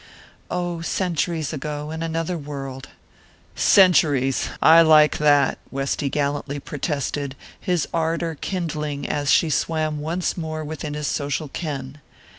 "Oh, centuries ago: in another world." "Centuries I like that!" Westy gallantly protested, his ardour kindling as she swam once more within his social ken.